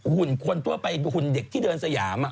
หุ่นคนทั่วไปหุ่นเด็กที่เดินสยาม